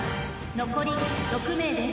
残り６名です。